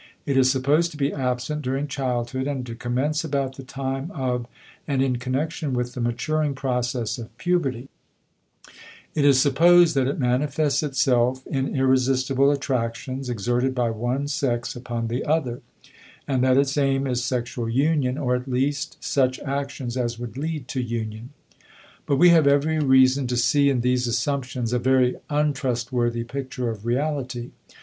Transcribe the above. It is supposed to be absent during childhood and to commence about the time of and in connection with the maturing process of puberty; it is supposed that it manifests itself in irresistible attractions exerted by one sex upon the other, and that its aim is sexual union or at least such actions as would lead to union. But we have every reason to see in these assumptions a very untrustworthy picture of reality.